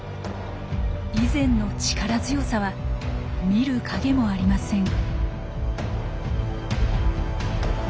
以前の力強さは見る影もありません。